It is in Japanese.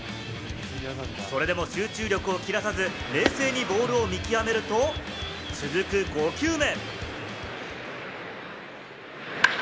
それでも集中力を切らさず冷静にボールを見極めると、続く５球目。